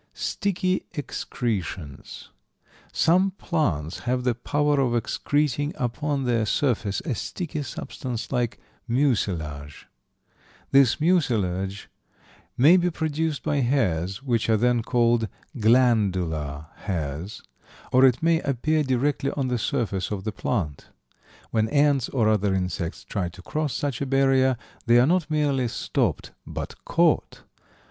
Sticky excretions. Some plants have the power of excreting upon their surface a sticky substance like mucilage. This mucilage may be produced by hairs, which are then called "glandular hairs," or it may appear directly on the surface of the plant. When ants or other insects try to cross such a barrier they are not merely stopped but caught.